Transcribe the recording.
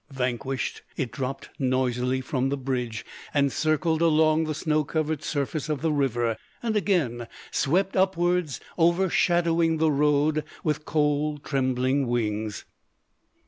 Vanquished, it dropped noisily from the bridge, and circled along the snow covered surface of the river, and again swept upwards, overshadowing the road with cold, trembling wings.